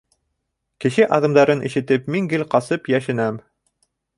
Кеше аҙымдарын ишетеп, мин гел ҡасып йәшенәм.